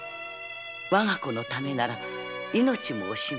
わが子のためなら命も惜しまない。